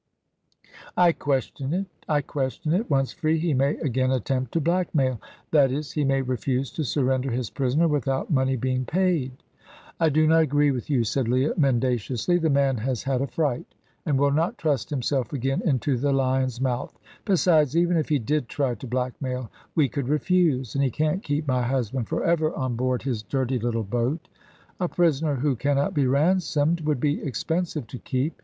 "I question it I question it. Once free, he may again attempt to blackmail that is, he may refuse to surrender his prisoner without money being paid." "I do not agree with you," said Leah, mendaciously. "The man has had a fright, and will not trust himself again into the lion's mouth. Besides, even if he did try to blackmail, we could refuse, and he can't keep my husband for ever on board his dirty little boat. A prisoner who cannot be ransomed would be expensive to keep.